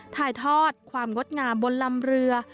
ถ่ายทอดความงดงามบนลำเรือ